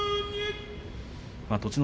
栃ノ